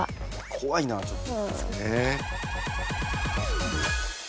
怖いなちょっと。